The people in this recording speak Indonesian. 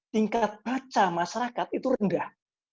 tingkat baca masyarakat itu rendah